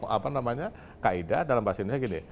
apa namanya kaedah dalam bahasa indonesia gini